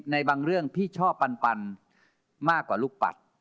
ในบางเรื่องพี่ชอบปันมากกว่าลูกปัด